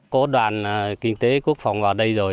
có đoàn kinh tế quốc phòng vào đây rồi